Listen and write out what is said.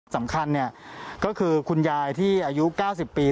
สำคัญก็คือคุณยายที่อายุ๙๐ปี